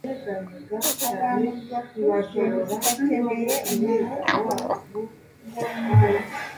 abantu bakuze bakeneye umuntu wo kuganira